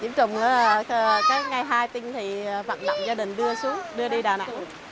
nhiễm trùng cái ngày hai tinh thì vận động gia đình đưa xuống đưa đi đà nẵng